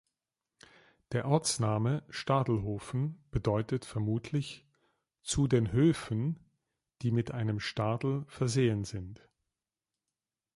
Der Ortsname Stadelhofen bedeutet vermutlich "zu den Höfen, die mit einem Stadel versehen sind".